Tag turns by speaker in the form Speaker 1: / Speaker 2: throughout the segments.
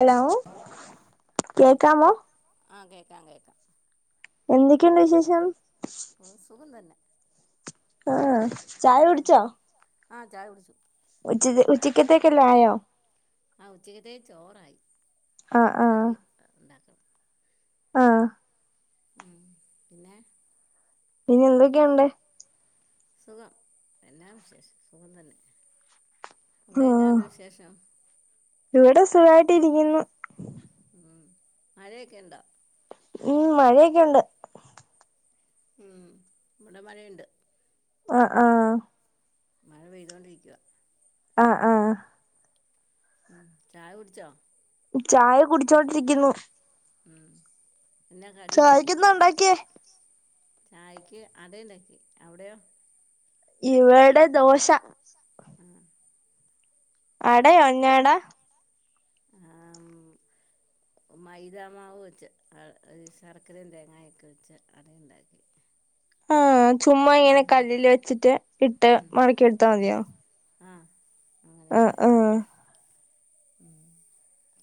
Speaker 1: Hello കേക്കാമോ?
Speaker 2: ആഹ് കേക്കാം കേക്കാ.
Speaker 1: എന്തൊക്കെയുണ്ട് വിശേഷം?
Speaker 2: ഓഹ് സുഖം തന്നെ.
Speaker 1: ആഹ്ആഹ്. ചായ
Speaker 2: ഉം
Speaker 1: കുടിച്ചോ?
Speaker 2: ആഹ് ചായകുടിച്ചു.
Speaker 1: ഉച്ചത് ഉച്ചക്ക്യത്തേക്കെല്ലാ ആയോ?
Speaker 2: ആഹ് ഉച്ചക്ക്യത്തേക്ക് ചോറായി. കറി ആഹ് ഇണ്ടാക്കണം.
Speaker 1: ആഹ്
Speaker 2: ഉം പിന്നെ.
Speaker 1: പിന്നെന്തൊക്കെയുണ്ട്?
Speaker 2: സുഖം. എന്നാ വിശേഷം സുഖം തന്നെ. അവിടെ എന്നാ
Speaker 1: ആഹ്
Speaker 2: ഉണ്ട് വിശേഷം?
Speaker 1: ഇവിടെ സുഖായിട്ടിരിക്കുന്നു.
Speaker 2: ഉം മഴയൊക്കെണ്ടോ?
Speaker 1: ഉം മഴയൊക്കെയുണ്ട്.
Speaker 2: ഉം ഇബടെ മഴയ്ണ്ട്.
Speaker 1: ഒ ആഹ്
Speaker 2: മഴ പെയ്തോണ്ടിരിക്കുവാ.
Speaker 1: ആഹ് ആഹ്.
Speaker 2: ഉം ചായകുടിച്ചോ?
Speaker 1: ചായ കുടിച്ചോണ്ടിരിക്കുന്നു.
Speaker 2: ഉം എന്നാ കടി?
Speaker 1: ചായക്കെന്താ
Speaker 2: ചായക്ക്
Speaker 1: ഉണ്ടാക്കിയേ
Speaker 2: എന്തോ ഉണ്ടാ ക്ക്? ചായക്ക് അടയ്ണ്ടാക്കി. അവിടെയോ?
Speaker 1: ഇവടെ ദോശ.
Speaker 2: സ. ആഹ്
Speaker 1: അടയോ ഞാട
Speaker 2: ആഹ്മ് ഉംമൈദാമാവ് വെച്ച് അ ശർക്കരയും തേങ്ങായോക്കെ വെച്ച് അടയുണ്ടാക്കി.
Speaker 1: ആഹ് ചുമ്മാ ഇങ്ങനെ
Speaker 2: ഉം
Speaker 1: കല്ലില് വെച്ചിട്ട് ഇട്ട്
Speaker 2: ഉം ആ
Speaker 1: മടക്കിയെടുത്താമതിയോ?
Speaker 2: ആഹ് അങ്ങനെണ്ടാക്കി
Speaker 1: ആഹ്
Speaker 2: ഉം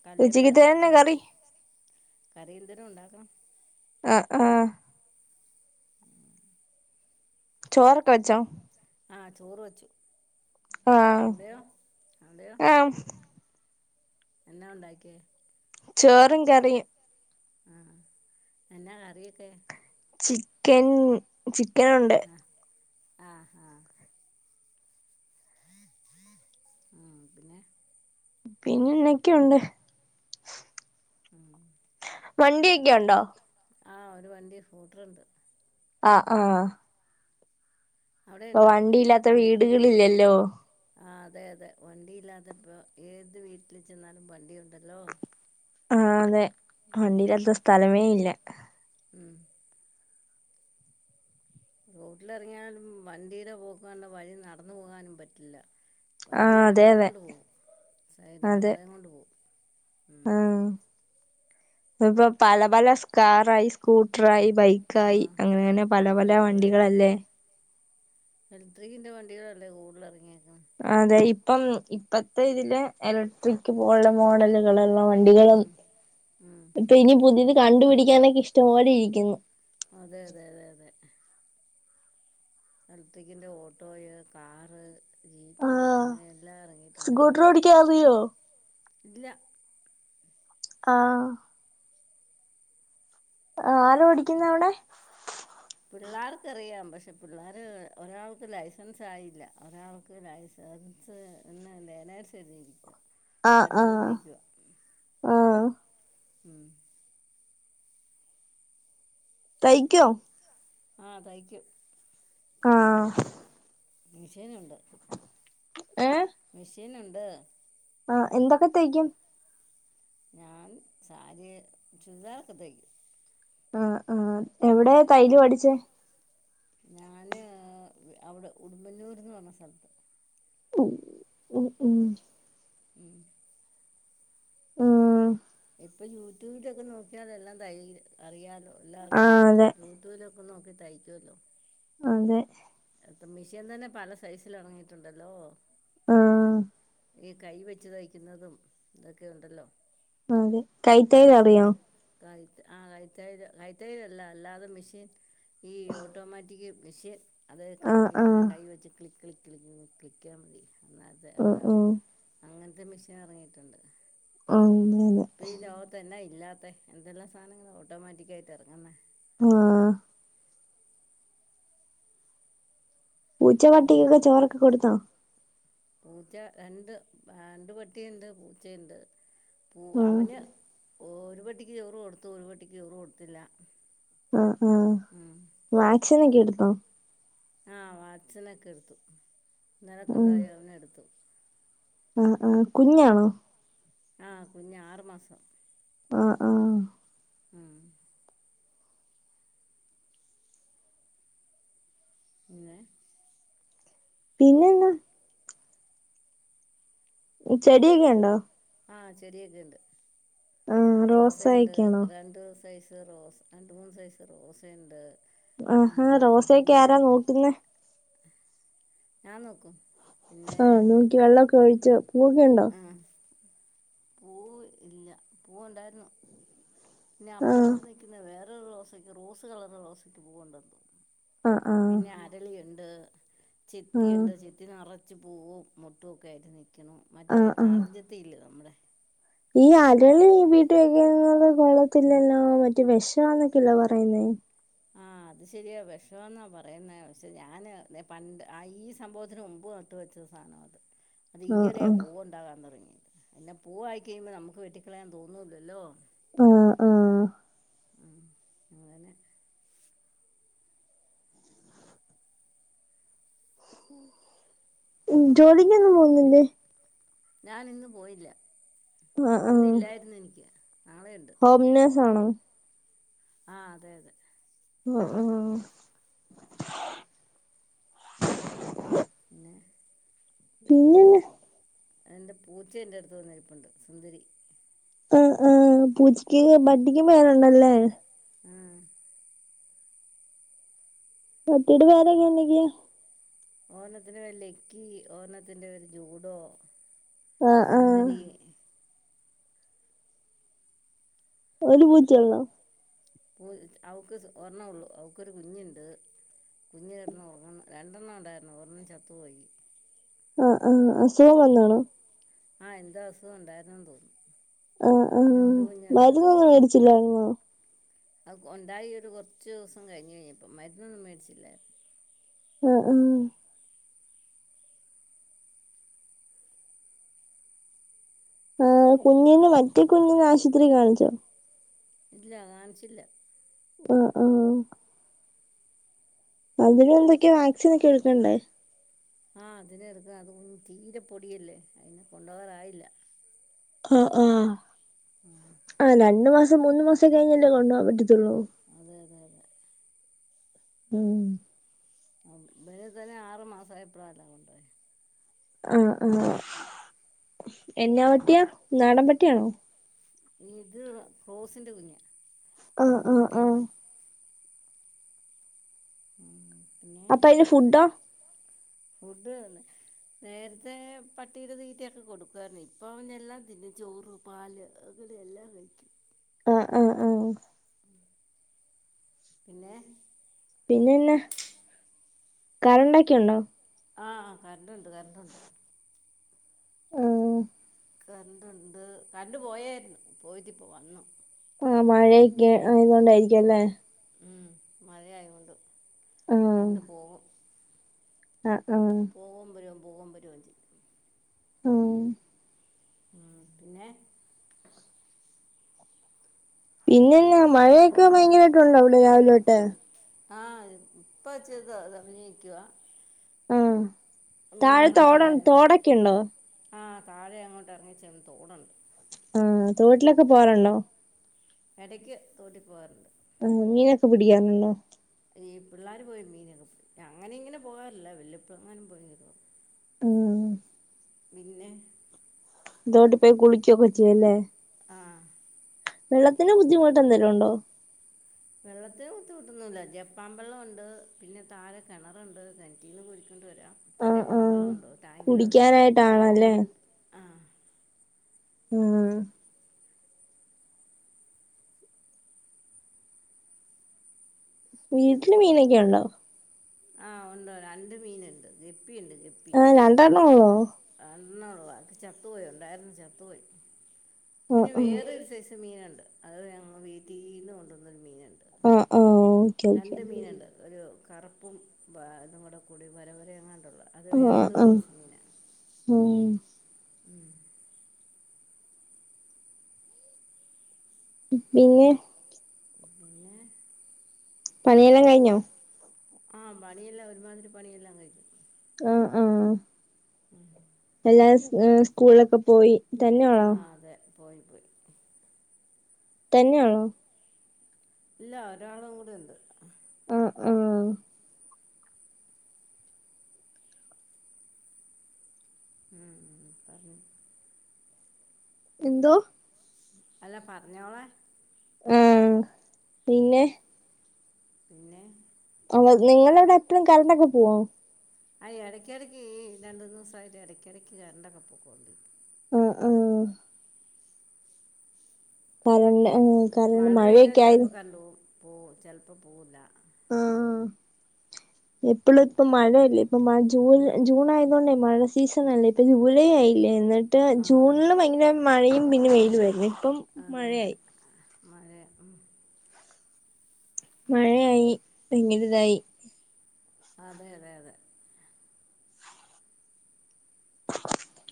Speaker 2: കല്ലേ
Speaker 1: ഉച്ചക്കത്തെ തന്നെ
Speaker 2: പരത്തി
Speaker 1: കറി
Speaker 2: വച്ച് കറിന്തേലും ഉണ്ടാക്കണം
Speaker 1: ആഹ് ആഹ് ചോറക്കവച്ചോ
Speaker 2: ആഹ് ചോറ് വെച്ചു
Speaker 1: ആഹ്
Speaker 2: അവിടെയോ അവിടെയോ?
Speaker 1: ആഹ്
Speaker 2: എന്നാ ഉണ്ടാക്കിയേ
Speaker 1: ചോറും കറിയും
Speaker 2: ആഹ് എന്നാ കറിയൊക്കെ
Speaker 1: ചിക്കൻ ചിക്കൻ ഉണ്ട്
Speaker 2: ആഹ് ആഹ് ആഹ് ഉം പിന്നെ
Speaker 1: പിന്നെ എന്നക്കെയുണ്ട്
Speaker 2: മ്
Speaker 1: വണ്ടിയൊക്കെഒണ്ടോ
Speaker 2: ആഹ് ഒരു വണ്ടി ഹൂട്ടറുണ്ട്
Speaker 1: ആഹ ആഹ ഇപ്പൊ
Speaker 2: അവിടെയുണ്ടോ
Speaker 1: വണ്ടിയില്ലാത്ത വീട്കൾ ഇല്ലെല്ലോ
Speaker 2: ആഹ് അതെ അതെ വണ്ടിയില്ലാത്ത ഇപ്പോ ഏത് വീട്ടിൽ ചെന്നാലും വണ്ടി ഉണ്ടല്ലോ
Speaker 1: ആഹ് അതെ വണ്ടില്ലാത്ത സ്ഥലമേ ഇല്ല
Speaker 2: മ് റോട്ടിലറങ്യാലും വണ്ടിടെപോക്കണ്ട വഴി നടന്നു പോകാനും പറ്റില്ല വണ്ടി
Speaker 1: ആഹ് അതെ
Speaker 2: നമ്മളേം
Speaker 1: അതെ
Speaker 2: കൊണ്ട് പോവും സൈഡ്
Speaker 1: അതെ
Speaker 2: നമ്മളേംകൊണ്ട് പോവും മ്
Speaker 1: ആഹ് ഇപ്പൊ പല പലസ്കാറായി സ്കൂട്രായി
Speaker 2: ആ
Speaker 1: ബൈക്കായി അങ്ങനെ പല പല
Speaker 2: അതെ
Speaker 1: വണ്ടികളല്ലേ
Speaker 2: ഇലക്ട്രിക്കിന്റെ വണ്ടികളല്ലേ കൂട്തൽ അറങ്യേക്ക്ണ്
Speaker 1: അതെ ഇപ്പം ഇപ്പത്തെ ഇതില് എലക്ട്രിക്ക് പോലു മോഡലുകളുള്ളവണ്ടികളും
Speaker 2: ഉം ഉം
Speaker 1: ഇപ്പൊ ഇനി പുതിത് കണ്ടുപിടിക്കാനൊക്കെ ഇഷ്ടപോലെ ഇരിക്ക്ന്നു
Speaker 2: അതെതെ അതെ അതെ എലക്ട്രിക്കിന്റെ ഓട്ടോയ് കാറ് ജീപ്പ് അങ്ങനെ എല്ലാം ഇറങ്ങിയിട്ടുണ്ടല്ലോ
Speaker 1: ക്യറിയൊ
Speaker 2: ഇല്ല
Speaker 1: ആഹ് ആഹ ആലോഓടിക്കുന്നവിടെ
Speaker 2: പിള്ളാർക്കറിയാം പക്ഷെ പിള്ളാർ ഒരാൾക്ക് ലൈസൻസ് ആയില്ല ഒരാൾക്ക് ലൈസൻസ് എന്ന ലേനേഴ്സ് എഴുതി ഇരിക്കുവാ
Speaker 1: ആഹ് ആഹ്
Speaker 2: പഠിച്ചുണ്ടിരികുവാ
Speaker 1: ആഹ്
Speaker 2: ഉം
Speaker 1: തയ്ക്കോ
Speaker 2: ആഹ് തയ്ക്യു
Speaker 1: ആഹ്
Speaker 2: മിഷ്യേനുണ്ട്
Speaker 1: ഏ
Speaker 2: മിഷീനുണ്ട്
Speaker 1: ആഹ എന്തൊക്കെ തയ്ക്കും
Speaker 2: ഞാൻ സാരി ചുദാറൊക്കെതയ്ക്കും
Speaker 1: ആഹ് ആഹ് എവിടെതൈയല് പഠിച്ചേ
Speaker 2: ഞാന് ഔടെ ഉടുമ്പന്നൂര് പറഞ്ഞ സ്ഥലത്ത്
Speaker 1: [unintelligible]
Speaker 2: [unintelligible]
Speaker 1: ആഹ്
Speaker 2: ഇപ്പൊ യൂട്യൂബിലൊക്കെ നോക്കിയാതെല്ലാം തെയ്യ്ഋഅറിയാലോ എല്ലാവർക്കും
Speaker 1: ആഹ് അതെ
Speaker 2: യൂട്യൂബിലൊക്കെ ഒന്ന്നോക്ക് തയ്ക്കുല്ലോ
Speaker 1: അതെ
Speaker 2: അത്തം മിഷീൻ തന്നെ പല സൈസിലറങ്ങിട്ടുണ്ടല്ലോ
Speaker 1: ആഹ്
Speaker 2: ഈ കൈ വെച്ച് തയ്ക്കുന്നതും ഒക്കെ ഉണ്ടല്ലോ
Speaker 1: ആഹ് അതെ കൈതൊയ്ൽ അറിയോ
Speaker 2: ക ആഹ് കയ്തെയ്ൽ കയ്തൈലല്ല അല്ലാതും മിശ്യേൻ ഈ ഓട്ടോമാറ്റിക് മിഷ്യാൻ അത്
Speaker 1: ആഹ്
Speaker 2: കറക്കിയിട്ടിങ്ങനെ
Speaker 1: ആഹ്
Speaker 2: കൈ വെച്ച് ക്ലിക് ക് ക്ലിക്ക്യാമതി അത്
Speaker 1: ഉം
Speaker 2: അതെ
Speaker 1: ഉം
Speaker 2: അങ്ങൻത്തെ മിഷ്യാൻ അറങ്ങിട്ടുണ്ട്
Speaker 1: [unintelligible]
Speaker 2: തെന്നാ ഇല്ലാത്ത എന്തെല്ലാ സാനങ്ങൾ ഓട്ടോമാറ്റിക് ആയിട്ട് എറങ്ങുന്നെ
Speaker 1: ആഹ് പൂച്ച
Speaker 2: ഉം
Speaker 1: പട്ടിക്കൊക്കെ ചോറൊക്കെ കൊട്ത്തോ
Speaker 2: പൂച്ച രണ്ട് രണ്ട്പട്ടിണ്ട് പൂച്ചേണ്ട് പൂ
Speaker 1: ആഹ്
Speaker 2: അവന് ഒരു പട്ടിക്ക് ചോറ് കൊടുത്തു ഒരു പട്ടിക്ക് ചോറ് കൊടുത്തില്ല
Speaker 1: ആഹ് ആഹ്
Speaker 2: ഉം
Speaker 1: വാക്സിനൊക്കെ എടുത്തോ
Speaker 2: ആഹ് വാക്സ്നൊക്കെ എടുത്തു ഇന്നലെ
Speaker 1: ആഹ്
Speaker 2: കൊണ്ടോയി അവനെ എടുത്തു
Speaker 1: ആഹ് ആഹ് കുഞ്ഞാണോ
Speaker 2: ആഹ് കുഞ്ഞാറ് മാസം
Speaker 1: ആഹ് ആഹ്
Speaker 2: ഉം ഇല്ല
Speaker 1: പിന്നെന്ന ചെടിയൊക്കെ ഉണ്ടോ
Speaker 2: ആഹ് ചെടിയൊക്കെ ഉണ്ട്
Speaker 1: ആഹ്
Speaker 2: റോസ ഉണ്ട്
Speaker 1: റോസായൊക്കെയാണോ
Speaker 2: രണ്ട് സൈസ് റോസ രണ്ട് മൂന്ന് സൈസ് റോസ ഉണ്ട്
Speaker 1: ആഹാ റോസയൊക്കെ ആരാ നോക്കുന്ന
Speaker 2: ഞാൻ നോക്കും പിന്നെ
Speaker 1: ആഹ് നോക്കി വെള്ളമൊക്കെ കഴിച്ച് പൂ
Speaker 2: ഉം പൂവ് ഇല്ല പൂവുണ്ടായിരുന്നു ന്നാ
Speaker 1: ആഹ്
Speaker 2: അപ്പുറത്ത് നിൽക്കുന്ന വേറൊരു റോസയ്ക്ക് റോസ് കളർള്ള റോസക്ക് പോവണ്ടന്തോ
Speaker 1: ആഹ് ആഹ്
Speaker 2: പിന്നെ അരളിയുണ്ട്
Speaker 1: ആഹ്
Speaker 2: ചിത്തിയുണ്ട് ചത്തി ഒത്തി നിറച്ച് പൂവും മുട്ടുമൊക്കെ ആയിട്ട് നിൽക്കും മറ്റേ
Speaker 1: ആഹ് ആഹ്
Speaker 2: നാടഞ്ചത്തിയില്ലേ നമ്മുടെ
Speaker 1: ഈ അരളി ഈ വീട്ട് വെക്കുന്നത് കൊള്ളത്തില്ലല്ലോ മറ്റേ വിഷംന്നൊക്കെയല്ലോ പറയുന്നേ
Speaker 2: ആഹ് അത് ശരിയാ വിഷമ എന്നാ പറയുന്ന പക്ഷെ ഞാന് പണ്ട് ഈ സംഭവത്തിന് മുമ്പ് ട്ട് വെച്ച സാധന
Speaker 1: ഉം
Speaker 2: അത് ഈയിടെയാ പൂവ് ഉണ്ടാകാൻ തുടങ്ങിട്ട് പിന്നെ പൂവായി കഴിയുമ്പോൾ നമുക്ക് വെട്ടിക്കളയാൻ തോന്നൂല്ലല്ലോ
Speaker 1: ആഹ് ആഹ്
Speaker 2: അങ്ങനെ
Speaker 1: ഉ ജോലിിക്കൊന്നും പോന്നില്ലേ
Speaker 2: ഞാൻ. ഇന്ന് പോയില്ല
Speaker 1: ആഹ് ആഹ്
Speaker 2: ഇന്നില്ലായിരുന്നു എനിക്ക് നാളെയുണ്ട്
Speaker 1: ഹോംനഴ്സ് ആണോ
Speaker 2: ആഹ് അതെ അതെ
Speaker 1: ഉം ഉം
Speaker 2: പിന്നെ
Speaker 1: പിന്നെ
Speaker 2: അ എൻ്റെ പൂച്ച എൻ്റ അടുത്ത് വന്നരിപ്പുണ്ട് സുന്ദരി
Speaker 1: അ ആഹ് പൂച്ചക്ക് പട്ടിക്കും പേര്ഉണ്ടല്ലേ
Speaker 2: ആഹ്
Speaker 1: [inaudible] ട്ട് വറൊക്ക എന്തൊക്കെയാ
Speaker 2: ഓരണത്തിന്റെ പേര് ലക്കി ഓരണത്തിന്റെ പേര് ജൂഡോ
Speaker 1: ആഹ് ആഹ്
Speaker 2: സുന്ദരി
Speaker 1: ഒരു പൂച്ച ള്ളൊ
Speaker 2: [unintelligible] അവക്ക് ഒർണ്ണ ഉള്ളു അവയ്ക്കു ഒരു കുഞ്ഞുണ്ട് കുഞ് കിടന്ന് ഒറങ്ങുന്നു രണ്ടെണ്ണം ഉണ്ടായിരുന്നു ഒരെണ്ണം ചത്തു പോയി
Speaker 1: അ ആഹ് അസുഖം വന്നാണോ
Speaker 2: ആഹ് എന്തോ അസുഖം ഉണ്ടായിരുന്നുന്ന് തോന്നുന്നു
Speaker 1: ആഹ് ആഹ്
Speaker 2: ഇനി ഒരു കുഞ്ഞുണ്ട്
Speaker 1: മരുന്നൊന്നും മേടിച്ചില്ലായിരൂന്നോ
Speaker 2: അ ഉണ്ടായി ഒരു കുറച്ച്ദിവസം കഴിഞ് കഴിഞ്ഞപ്പ മരുന്നൊന്നും മേടിച്ചില്ലായിരുന്നു
Speaker 1: ഉം ഉം ആ് കുഞ്ഞന് മറ്റേ കുഞ്ഞിന ആശുപത്രി കാണിച്ചോ
Speaker 2: ഇല്ല കാണിച്ചില്ല
Speaker 1: ആഹ് ആഹ് അതിന് എന്തൊക്കെയോ വാക്സിൻ ഒക്കെ എടുക്കണ്ടേ
Speaker 2: ആഹ് അതിനെ എടുക്ണം അത് തീരെ പൊടിയല്ലേ അതിനെ കൊണ്ടു പോകാറായില്ല
Speaker 1: ആഹ് ആഹ്
Speaker 2: ആഹ്
Speaker 1: ആഹ് രണ്ട് മാസം മൂന്ന് മാസം കഴിഞ്ഞല്ലേ കൊണ്ടു പോകാൻ പറ്റത്തുള്ളൂ
Speaker 2: അതെ അതെ അതെ
Speaker 1: ഉം
Speaker 2: വലുതിനെ ആരുമാസആയപ്പോഴല്ലേ കൊണ്ട് പോയത്
Speaker 1: ആഹ് ആഹ് എന്നാ പട്ടിയാ നാടൻ പട്ടിയാണോ
Speaker 2: ഇത് ക്രോസിന്റെ കുഞ്ഞ
Speaker 1: ആഹ് ആഹ് ആഹ്
Speaker 2: നാടമ്പട്ടിയല്ല ആഹ് പിന്നെ
Speaker 1: അപ്പൊ അതിന് ഫുഡോ
Speaker 2: ഫുഡ് തന്ന നേരത്തെ പട്ടിയുടെ തീറ്റൊക്കെ കൊടുക്കുവാരുന്നു ഇപ്പൊ അവനെല്ലാം തിന്നും ചോറും പാല് അങ്ങനെ എല്ലാം കഴിക്കും
Speaker 1: ആഹ് ആഹ് ആഹ്
Speaker 2: പിന്നെ
Speaker 1: പിന്നെന്നാ കറണ്ടൊക്കെുണ്ടോ
Speaker 2: ആഹ് കറന്റണ്ട് കറന്റ്ണ്ട്
Speaker 1: ഉം
Speaker 2: കറന്റ്‌ണ്ട് കറന്റ്‌ പോയേയിരുന്നു പോയിട്ട് ഇപ്പോ വന്നു
Speaker 1: ആഹ് മഴയൊക്കെ ആയത് കൊണ്ടായിരിക്കുവല്ലേ
Speaker 2: ഉം മഴയായതോണ്ട് കറന്റ് പോവും
Speaker 1: അഹ് ആഹ്
Speaker 2: പോവും വരും പോവും വരും ചെയ്യും
Speaker 1: ഉം
Speaker 2: ഉം പിന്നെ
Speaker 1: പിന്നെന്നാ മഴയൊക്കെ ഭയങ്കരായിട്ട് ഉണ്ടോ അവിടെ രാവിലൊട്ട്
Speaker 2: ആഹ് ഇപ്പച്തോ അത് അഭിനയിക്കുവാ
Speaker 1: ആഹ് താഴെ തോടെഉ തോടൊക്കെ ഉണ്ടോ
Speaker 2: ആഹ് താഴെ അങ്ങോട്ട് എറങ്ങി ചെന്ന്തോടുണ്ട്
Speaker 1: ആഹ് തോട്ടിലൊക്കെ പോവാറുണ്ടോ
Speaker 2: എടക്ക് തോട്ടി പോവാറുണ്ട്
Speaker 1: ആഹ് മീനൊക്കെ പിടിക്കാറുണ്ടോ
Speaker 2: ഈ പിള്ളേര് പോയി മീനൊക്കെപിടിക്കും അങ്ങനെ ഇങ്ങനെ പോവല്ല വല്ലപ്പോഴും അങ്ങനെ പോയി വരുവാ
Speaker 1: ഉം
Speaker 2: പിന്നെ
Speaker 1: തോട്ടി പോയി കുളിക്കൊക്കെ ചെയ്യും ലേ
Speaker 2: ആഹ്
Speaker 1: വെള്ളത്തിന് ബുദ്ധിമുട്ട് എന്തേലും ഉണ്ടോ
Speaker 2: വെള്ളത്തിനു ബുദ്ധിമുട്ട് ഒന്നുംല്ല ജപ്പാൻ വെള്ളവുണ്ട് പിന്നെ താഴെ കെണറുണ്ട് കെണറ്റീന്ന് കോരികൊണ്ട് വരാം ഇപ്പോ
Speaker 1: ആഹ്
Speaker 2: ജപ്പാൻ
Speaker 1: ആഹ്
Speaker 2: വെള്ളം ഉണ്ട് ടാങ്കില് ടാങ്കില്
Speaker 1: കുടിക്കാനായിട്ടാണല്ലേ
Speaker 2: ആഹ്
Speaker 1: ഉം വീട്ടില് മീനൊക്കെ ഉണ്ടോ
Speaker 2: ആഹ് ഒണ്ട് രണ്ടു മീന്ണ്ട് ഗപ്പിണ്ട് ഗപ്പ്
Speaker 1: ആഹ് രണ്ടെണ്ണം ഒള്ളോ
Speaker 2: രണ്ടെണ്ണം ഒള്ളൂ അഒക്കെ ചത്തുപോയി ഉണ്ടായിരുന്നു ചത്തുപോയി
Speaker 1: ആഹ്
Speaker 2: പിന്നെ
Speaker 1: ആഹ്
Speaker 2: വേറൊരു സൈസ് മീനുണ്ട് അത് ഞങ്ങള് വീട്ടീന്ന് കൊണ്ടുവന്നൊരു മീന്ണ്ട്
Speaker 1: ഓഹ് ഓഹ്
Speaker 2: രണ്ട് മീനുണ്ട് ഒരു കറുപ്പും ബാ ഇതും കൂടീള്ള വരവര അങ്ങാണ്ടുള്ള അത്
Speaker 1: ആഹ്
Speaker 2: വേറെന്തോ
Speaker 1: ആഹ്
Speaker 2: സൈസ് മീനാ
Speaker 1: ഉം
Speaker 2: ഉം
Speaker 1: പിന്നെ
Speaker 2: പിന്നെ
Speaker 1: പനിയെല്ലാം കഴിഞ്ഞോ
Speaker 2: ആഹ് പണിയെല്ലാ ഒരുമാതിരി പണിഎല്ലാം കഴിഞ്
Speaker 1: ആഹ് ആഹ് എല്ലാര് സ്കൂളിലൊക്കെ പോയി തന്നെയാണോ
Speaker 2: ആഹ് അതെ പോയി പോയി
Speaker 1: തന്നെയാെള്ളൂ
Speaker 2: ഇല്ല ഒരാളും കൂടെ ഇണ്ട്
Speaker 1: ആഹ് ആഹ്
Speaker 2: ഉം ഉം പറഞ്ഞ്
Speaker 1: എന്തോ
Speaker 2: അല്ല പറഞ്ഞോളെ
Speaker 1: ഉംപിന്നെ
Speaker 2: പിന്നെ
Speaker 1: ആന്ന് നിങ്ങളവിടെ എപ്പളും കറണ്ടൊക്കെ പോവോ
Speaker 2: അ ഇടക്കിടക്ക്ഈ രണ്ടു ദിവസമായിട്ട് ഇടക്കിടയ്ക്ക് കരണ്ടൊക്കെ പൊക്ക കൊണ്ട്
Speaker 1: ആ ആഹ പറഞ്ഞ [unintelligible]
Speaker 2: മഴ പെയ്താൽ ചിലപ്പോ കരൻ്റ് പോവും ചിലപ്പോ പോവില്ല
Speaker 1: ആഹ് എപ്പോഴും ഇപ്പ മഴയല്ലേ ഇപ്പ ജൂ ജൂൺ ആയതുകൊണ്ടേ മഴ സീസൺല്ലേ ഇപ്പ ജൂലൈ ആയില്ലേ എന്നിട്ട് മറ്റ്
Speaker 2: ആ
Speaker 1: ജൂണിലും ഭയങ്കര മഴയും പിന്നെ വെയിലും അല്ലെ ഇപ്പം
Speaker 2: അതെ അതെ
Speaker 1: മഴയായി
Speaker 2: മഴയാ ഇപ്പം
Speaker 1: മഴയായി ഭങ്കര ഇതായി
Speaker 2: അതെ അതെ അതെ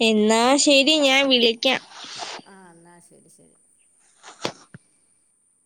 Speaker 1: എന്നാ ശരി ഞാൻ വിളിക്കാം
Speaker 2: ആ എന്നാൽ ശരി ശരി